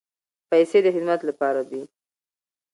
پیسې د خدمت لپاره دي.